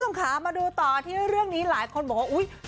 ร้านรองค้ามาดูต่อที่เรื่องนี้หลายคนบอกว่า